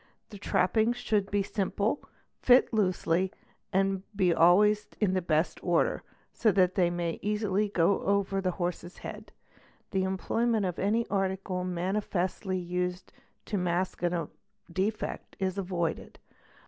The trappings should be simple, fit i dosely, and be always in the best order, so that they may easily go over the jh lorse's head. The employment of any article manifestly used to mask a | lefect is avoided.